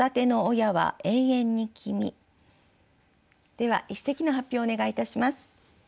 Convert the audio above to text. では一席の発表をお願いいたします。